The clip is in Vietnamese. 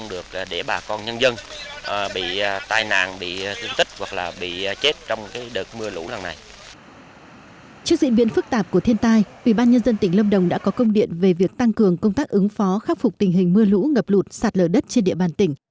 trước diễn biến phức tạp của thiên tai ubnd tỉnh lâm đồng đã có công điện về việc tăng cường công tác ứng phó khắc phục tình hình mưa lũ ngập lụt sạt lở đất trên địa bàn tỉnh